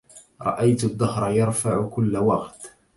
رأيت الدهر يرفع كل وغد